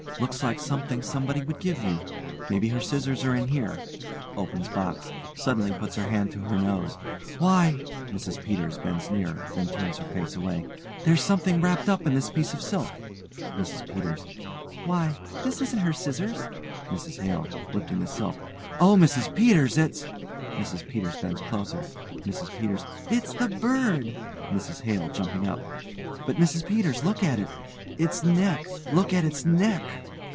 Looks like something somebody would give you. Maybe her scissors are in here. (Opens box. Suddenly puts her hand to her nose) Why (MRS PETERS bends nearer, then turns her face away) There's something wrapped up in this piece of silk. MRS PETERS: Why, this isn't her scissors. MRS HALE: (lifting the silk) Oh, Mrs Peters it's (MRS PETERS bends closer.) MRS PETERS: It's the bird. MRS HALE: (jumping up) But, Mrs Peters look at it! It's neck! Look at its neck!